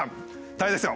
大変ですよ。